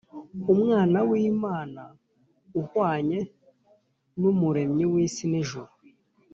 Umwana w’Imana, Uhwanye n’Umuremyi w’isi n’ijuru